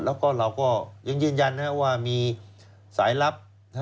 แล้วก็เราก็ยังยืนยันว่ามีสายลับ